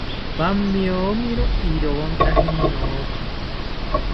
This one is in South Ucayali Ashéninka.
¡Pamiomiro ironta jenoki!